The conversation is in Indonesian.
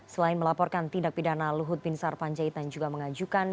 selain melaporkan tindak pidana luhut bin sarpanjaitan juga mengajukan